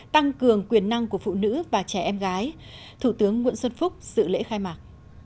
tăng cường quyền năng của phụ nữ và trẻ em gái thủ tướng nguyễn xuân phúc dự lễ khai mạc